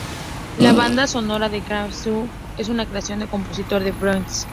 La banda sonora de "Walking with Monsters" es una creación del compositor Ben Bartlett.